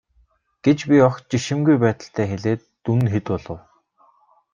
гэж би огт жишимгүй байдалтай хэлээд дүн нь хэд болов.